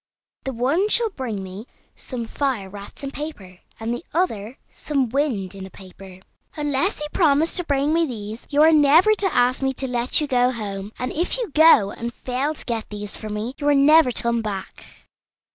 The one shall bring me some fire wrapped in paper, and the other some wind in a paper. Unless you promise to bring me these, you are never to ask me to let you go home; and if you go, and fail to get these for me, you are never to come back."